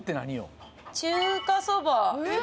中華そば。